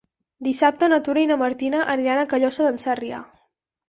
Dissabte na Tura i na Martina aniran a Callosa d'en Sarrià.